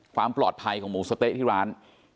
ความปลอดภัยของหมูสะเต๊ะที่ร้าน